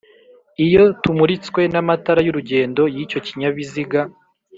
iyo tumuritswe n'amatara y'urugendo y'icyo kinyabiziga.